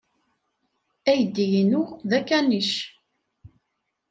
Aydi-inu d akanic.